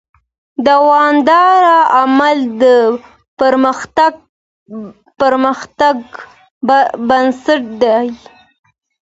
دوامداره عمل د پرمختګ بنسټ دی.